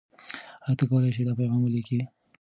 آیا ته کولای سې دا پیغام ولیکې؟